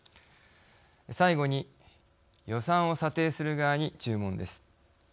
最後に予算を査定する側に注文です。